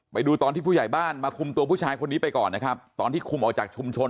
ไปดูตอนที่ผู้ใหญ่บ้านมาคุมตัวผู้ชายคนนี้ไปก่อนนะครับตอนที่คุมออกจากชุมชน